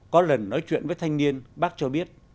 có lần nói chuyện với thanh niên bác cho biết